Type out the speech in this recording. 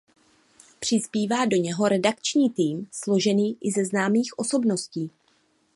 Přispívá do něho redakční tým složený i ze známých osobností.